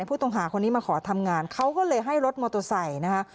ผู้ต้องหาคนนี้มาขอทำงานเขาก็เลยให้รถโมโตสใหม่นะฮะ